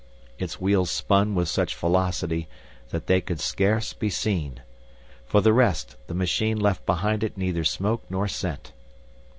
Its wheels spun with such velocity that they could scarce be seen. For the rest, the machine left behind it neither smoke nor scent.